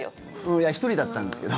いや１人だったんですけど。